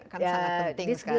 kan sangat penting sekarang